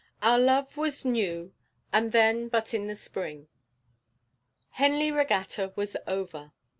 'OUR LOVE WAS NEW, AND THEN BUT IN THE SPRING.' Henley Regatta was over.